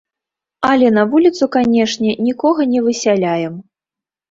Але на вуліцу, канечне, нікога не высяляем.